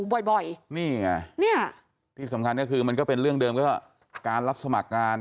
บ่อยบ่อยนี่ไงเนี่ยที่สำคัญก็คือมันก็เป็นเรื่องเดิมก็การรับสมัครงาน